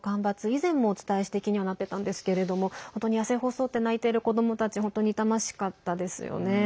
以前も、お伝えして気にはなってたんですけれども本当に痩せ細って泣いている子どもたち本当に痛ましかったですよね。